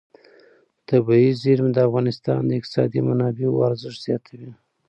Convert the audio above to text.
طبیعي زیرمې د افغانستان د اقتصادي منابعو ارزښت زیاتوي.